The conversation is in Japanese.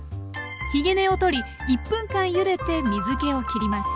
ひげ根を取り１分間ゆでて水けをきります。